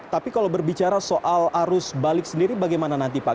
tapi kalau berbicara soal arus balik sendiri bagaimana nanti pak